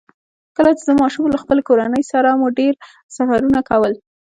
کله چې زه ماشوم وم، له خپلې کورنۍ سره مو ډېر سفرونه کول.